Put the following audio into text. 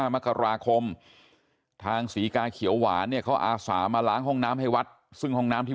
มกราคมทางศรีกาเขียวหวานเนี่ยเขาอาสามาล้างห้องน้ำให้วัดซึ่งห้องน้ำที่